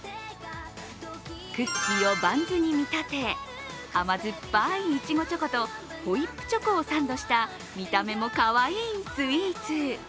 クッキーをバンズに見立て、甘酸っぱい苺チョコとホイップチョコをサンドした見た目もかわいいスイーツ。